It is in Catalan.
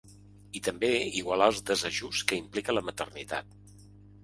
I també igualar els desajusts que implica la maternitat.